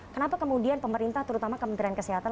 kenapa kemudian pemerintah terutama kementerian kesehatan